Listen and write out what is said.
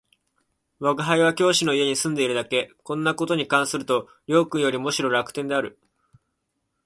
吾輩は教師の家に住んでいるだけ、こんな事に関すると両君よりもむしろ楽天である